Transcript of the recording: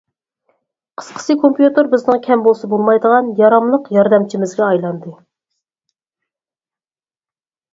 قىسقىسى، كومپيۇتېر بىزنىڭ كەم بولسا بولمايدىغان ياراملىق ياردەمچىمىزگە ئايلاندى.